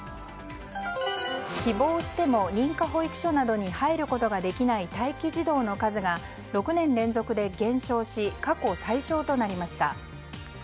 希望しても認可保育所などに入ることができない待機児童の数が６年連続で減少し過去最少となりました。